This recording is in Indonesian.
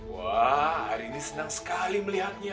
wah hari ini senang sekali melihatnya